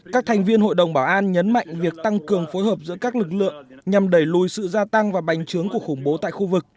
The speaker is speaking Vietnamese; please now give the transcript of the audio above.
các thành viên hội đồng bảo an nhấn mạnh việc tăng cường phối hợp giữa các lực lượng nhằm đẩy lùi sự gia tăng và bành trướng của khủng bố tại khu vực